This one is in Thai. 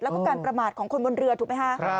แล้วก็การประมาทของคนบนเรือถูกไหมคะ